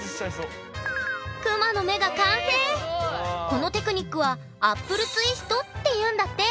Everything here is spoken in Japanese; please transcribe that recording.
このテクニックはアップルツイストっていうんだって！